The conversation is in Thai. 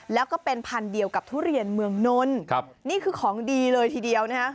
แล้วก็เป็นพันธุ์เดียวกับทุเรียนเมืองนนนี่คือของดีเลยทีเดียวนะฮะ